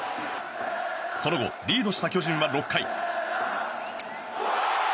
その後、リードした巨人は６回。